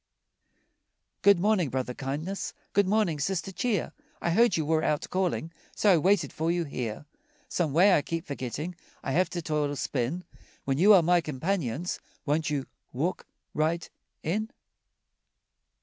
Good morning, Brother Kindness, Good morning, Sister Cheer, I heard you were out calling, So I waited for you here. Some way, I keep forgetting I have to toil or spin When you are my companions, Won't you walk right in?